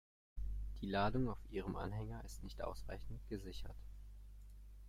Die Ladung auf Ihrem Anhänger ist nicht ausreichend gesichert.